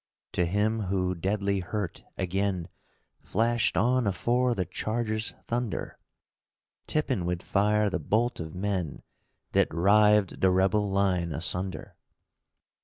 To him who, deadly hurt, agen Flashed on afore the charge's thunder, Tippin' with fire the bolt of men Thet rived the rebel line asunder?